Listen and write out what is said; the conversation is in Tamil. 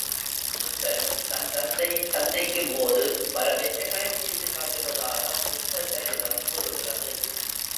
புத்தரும் தன் தந்தையைச் சந்திக்கும்போது பலவித்தைகளைச் செய்து காட்டுவதாகப் புத்தசரிதம் கூறுகிறது.